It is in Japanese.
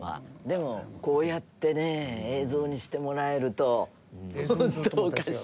でもこうやってね映像にしてもらえるとホントおかしい。